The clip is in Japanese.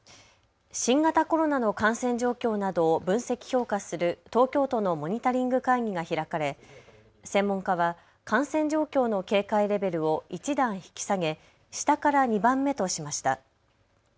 新型コロナの感染状況などを分析・評価する東京都のモニタリング会議が開かれ、専門家は感染状況の警戒レベルを１段引き下げ、下から２番目としました。